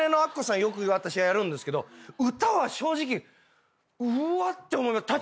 よく私はやるんですけど歌は正直うわって。